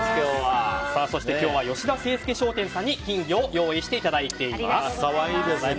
そして今日は商店の方に金魚を用意していただいています。